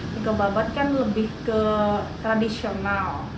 niko babat kan lebih ke tradisional